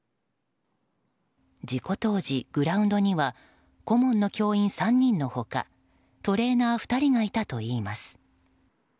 事故当時、グラウンドには顧問の教員３人の他トレーナー２人がいたといいます。